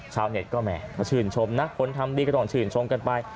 ชาวเน็ตก็แหม่ก็ชื่นชมนะคนทำดีก็ต้องชื่นชมกันไป